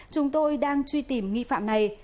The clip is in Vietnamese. chúng tôi đang truy tìm nghi phạm này